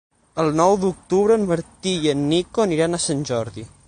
El nou d'octubre en Martí i en Nico aniran a Sant Jordi.